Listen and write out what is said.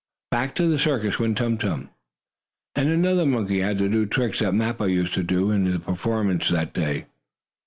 Back to the circus went Tum Tum, and another monkey had to do the tricks that Mappo used to do in the performances that day.